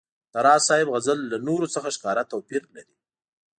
د راز صاحب غزل له نورو څخه ښکاره توپیر لري.